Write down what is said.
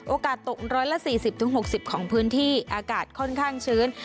โอกาสตก๑๔๐๖๐ของพื้นที่อากาศค่อนข้างชื้น